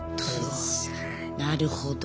なるほど。